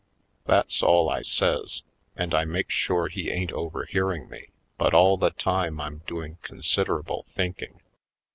That's all I saj^s. And I makes sure he ain't overhearing me, but all the time I'm doing considerable thinking.